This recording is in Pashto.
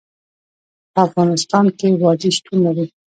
په افغانستان کې وادي شتون لري.